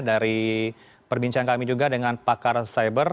dari perbincangan kami juga dengan pakar cyber